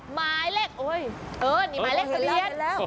หมายเลขโอ๊ยเออนี่หมายเลขทะเบียน